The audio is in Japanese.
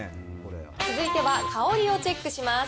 続いては香りをチェックします。